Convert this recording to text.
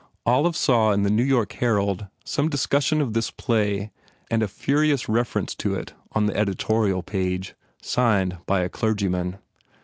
Olive saw in the New York Herald some dis cussion of this play and a furious reference to it on the editorial page, signed by a clergyman.